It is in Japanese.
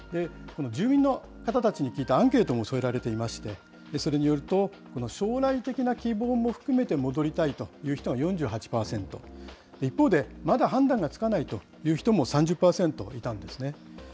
住民の方たちに聞いたアンケートも添えられていまして、それによると、将来的な希望も含めて戻りたいという人が４８％、一方で、まだ判断がつかないという人も３０％いたんですね。